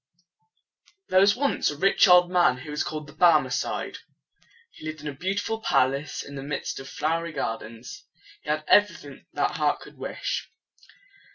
There was once a rich old man who was called the Bar me cide. He lived in a beautiful palace in the midst of flowery gardens. He had every thing that heart could wish.